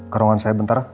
kerongan saya bentar